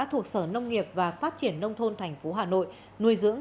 thuộc sở nông nghiệp và phát triển nông thôn tp hà nội nuôi dưỡng quản lý theo quy định